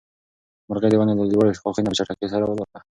مرغۍ د ونې له لوړې ښاخۍ نه په چټکۍ سره والوته.